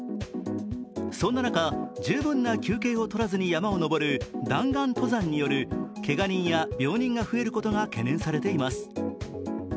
そんな中、十分な休憩をとらずに山を登る弾丸登山によるけが人や病人が増えることが懸念されています。